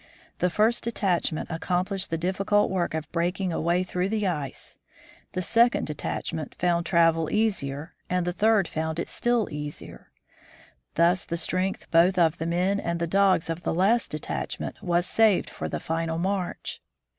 The first detachment accomplished the difficult work of breaking a way through the ice, the second de tachment found travel easier, and the third found it still easier. Thus the strength both of the men and the dogs of the last detachment was saved for the final march.